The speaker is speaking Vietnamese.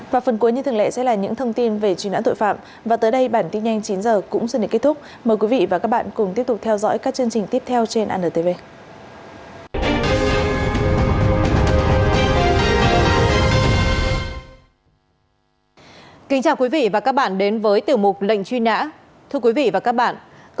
và phần cuối như thường lệ sẽ là những thông tin về truy nãn tội phạm và tới đây bản tin nhanh chín h cũng xin kết thúc